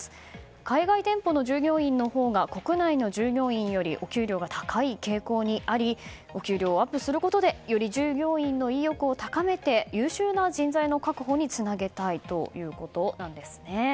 海外店舗の従業員のほうが国内の従業員よりお給料が高い傾向にありお給料をアップすることでより従業員の意欲を高めて優秀な人材の確保につなげたいということなんですね。